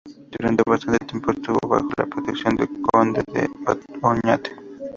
Durante bastante tiempo estuvo bajo la protección del Conde de Oñate.